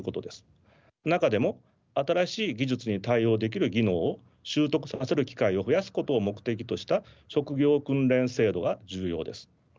中でも新しい技術に対応できる技能を習得させる機会を増やすことを目的とした職業訓練制度が重要です。